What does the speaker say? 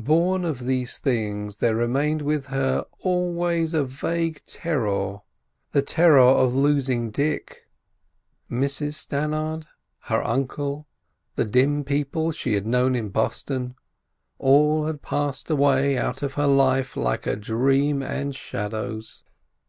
Born of these things there remained with her always a vague terror: the terror of losing Dick. Mrs Stannard, her uncle, the dim people she had known in Boston, all had passed away out of her life like a dream and shadows.